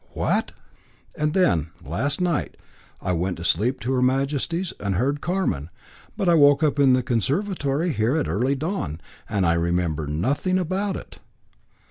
"What!" "And then, last night, I went in my sleep to Her Majesty's and heard Carmen; but I woke up in the conservatory here at early dawn, and I remember nothing about it."